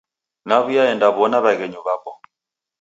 Naw'iaendaw'ona w'aghenyu w'apo.